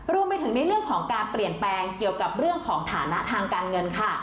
รวมไปถึงในเรื่องของการเปลี่ยนแปลงเกี่ยวกับเรื่องของฐานะทางการเงินค่ะ